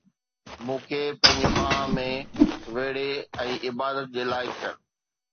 مون کي پنهنجي ٻانهن ۾ ويڙهي ۽ عبادت جي لائق ڪر